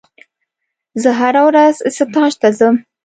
زه هره ورځ ستاژ ته ځم.